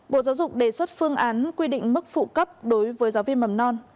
bộ giáo dục đề xuất phương án quy định mức phụ cấp đối với giáo viên mầm non